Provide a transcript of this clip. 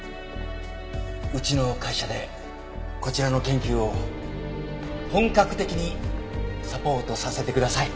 うちの会社でこちらの研究を本格的にサポートさせてください。